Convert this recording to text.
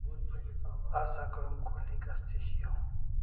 Asa krom khul hikas thi shiau